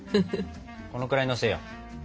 このくらいのせよう。